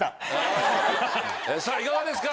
さぁいかがですか？